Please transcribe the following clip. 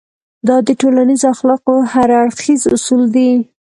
دا د ټولنيزو اخلاقو هر اړخيز اصول دی.